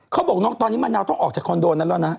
เขาบอกน้องตอนนี้มะนาวต้องออกจากคอนโดนั้นแล้วนะ